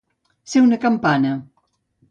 Ser una campana.